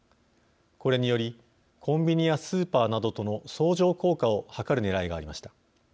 これによりコンビニやスーパーなどとの相乗効果を図るねらいがありました。